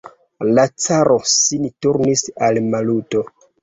La caro sin turnis al Maluto.